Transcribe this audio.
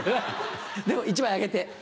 でも１枚あげて。